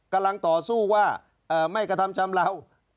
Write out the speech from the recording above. กำลังต่อสู้ว่าไม่กระทำชำราว